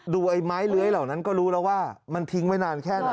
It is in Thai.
ไอ้ไม้เลื้อยเหล่านั้นก็รู้แล้วว่ามันทิ้งไว้นานแค่ไหน